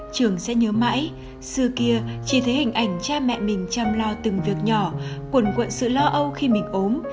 trường sẽ nhớ mãi xưa kia chỉ thấy hình ảnh cha mẹ mình chăm lo từng việc nhỏ cuồn cuộn sự lo âu khi mình ốm